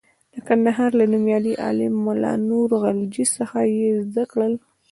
د کندهار له نومیالي عالم ملا نور غلجي څخه یې زده کړل.